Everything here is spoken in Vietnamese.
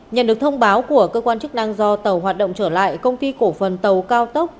nhận được thông báo của cơ quan chức năng do tàu hoạt động trở lại công ty cổ phần tàu cao tốc